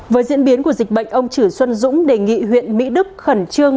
với diễn biến của dịch bệnh ông chử xuân dũng đề nghị huyện mỹ đức khẩn trương